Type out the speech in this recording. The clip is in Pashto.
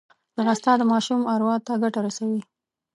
ځغاسته د ماشوم اروا ته ګټه رسوي